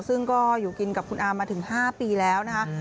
ซึ่งก็อยู่กินกับคุณอามาถึง๕ปีแล้วนะคะ